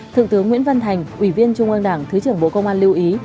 thượng tướng nguyễn văn thành ủy viên trung ương đảng thứ trưởng bộ công an lưu ý